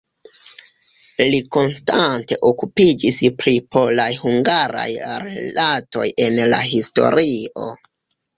Li konstante okupiĝis pri polaj-hungaraj rilatoj en la historio.